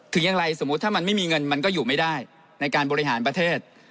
อย่างไรสมมุติถ้ามันไม่มีเงินมันก็อยู่ไม่ได้ในการบริหารประเทศ